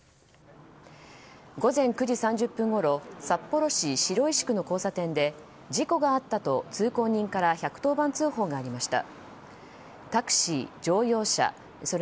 午前９時３０分ごろ札幌市白石区の交差点で事故があったと通行人から１１０番通報がありました。